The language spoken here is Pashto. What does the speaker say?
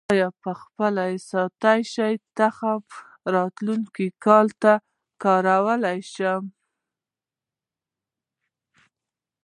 آیا خپل ساتل شوی تخم راتلونکي کال ته کارولی شم؟